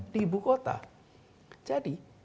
di ibu kota jadi